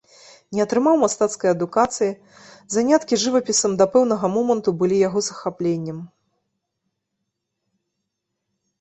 Не атрымаў мастацкай адукацыі, заняткі жывапісам да пэўнага моманту былі яго захапленнем.